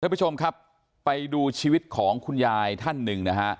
ท่านผู้ชมครับไปดูชีวิตของคุณยายท่านหนึ่งนะฮะ